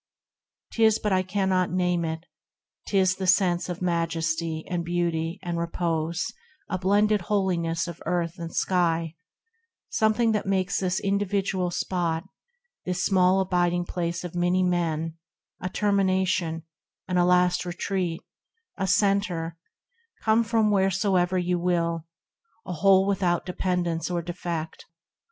— 'Tis, but I cannot name it, 'tis the sense Of majesty, and beauty, and repose, A blended holiness of earth and sky, Something that makes this individual spot, This small abiding place of many men, A termination, and a last retreat, A centre, come from wheresoe'er you will, THE RECLUSE n A whole without dependence or defect.